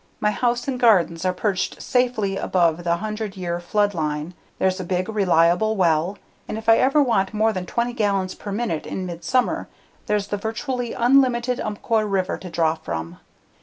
My house and gardens are perched safely above the 100 year flood line, there's a big, reliable well, and if I ever want more than 20 gallons per minute in midsummer, there's the virtually unlimited Umpqua River to draw from.